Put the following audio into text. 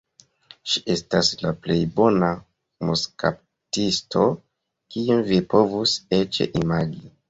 Ŝi estas la plej bona muskaptisto kiun vi povus eĉ imagi.